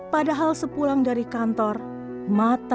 padahal sepulang dari kantor mata rasa tersedih dirisik dan berhenti